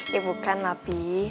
he ya bukan lah pi